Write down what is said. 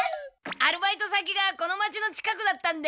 アルバイト先がこの町の近くだったんで。